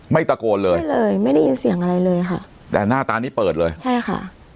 ไม่ตะโกนเลยเลยไม่ได้ยินเสียงอะไรเลยค่ะแต่หน้าตานี้เปิดเลยใช่ค่ะ